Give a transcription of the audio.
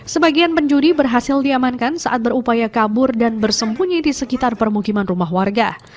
sebagian penjuri berhasil diamankan saat berupaya kabur dan bersembunyi di sekitar permukiman rumah warga